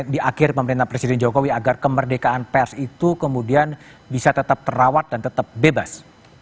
di akhir pemerintahan presiden jokowi agar kemerdekaan pers itu kemudian bisa tetap terawat dan tetap bebas